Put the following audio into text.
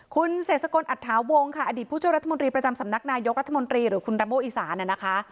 คุณเศรษฐกลอัตถาวงค่ะอดีตผู้ช่วยรัฐมนตรีประจำสำนักนายกรัฐมนตรีหรือคุณรัมโบอีสานะนะคะ